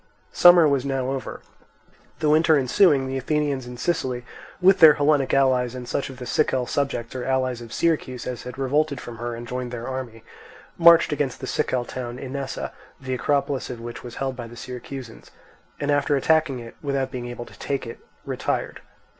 Summer was now over. The winter ensuing, the Athenians in Sicily with their Hellenic allies, and such of the Sicel subjects or allies of Syracuse as had revolted from her and joined their army, marched against the Sicel town Inessa, the acropolis of which was held by the Syracusans, and after attacking it without being able to take it, retired.